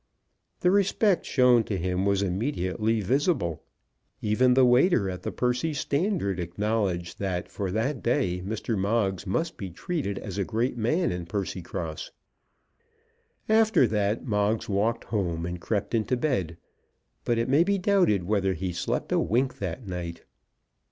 The respect shown to him was immediately visible. Even the waiter at the Percy Standard acknowledged that for that day Mr. Moggs must be treated as a great man in Percycross. After that Moggs walked home and crept into bed; but it may be doubted whether he slept a wink that night.